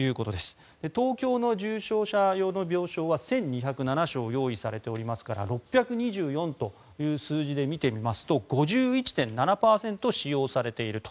東京の重症者用の病床は１２０７床用意されておりますから６２４という数字で見てみますと５１．７％使用されていると。